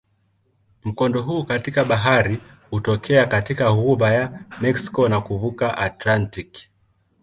Mkondo huu katika bahari hutokea katika ghuba ya Meksiko na kuvuka Atlantiki.